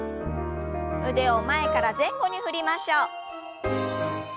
腕を前から前後に振りましょう。